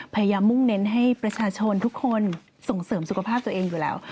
มุ่งเน้นให้ประชาชนทุกคนส่งเสริมสุขภาพตัวเองอยู่แล้ว